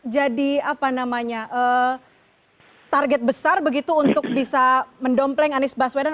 jadi apa namanya target besar begitu untuk bisa mendompleng anies paswedan